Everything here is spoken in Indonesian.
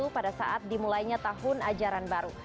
pada saat dimulainya tahun ajaran baru